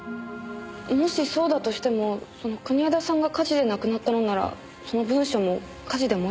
もしそうだとしてもその国枝さんが火事で亡くなったのならその文書も火事で燃えてしまったんじゃ。